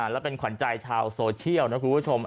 และเป็นขวัญใจชาวโซเชียลนะคุณผู้ชม